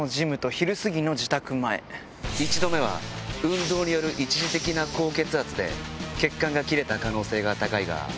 １度目は運動による一時的な高血圧で血管が切れた可能性が高いが。